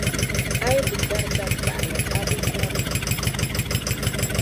A yi bi gari dakpaɣali a bi ʒiri li.